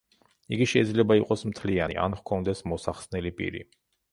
იგი შეიძლება იყოს მთლიანი, ან ჰქონდეს მოსახსნელი პირი.